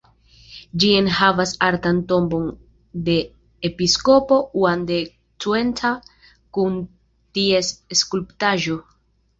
Ĝi enhavas artan tombon de episkopo Juan de Cuenca kun ties skulptaĵo.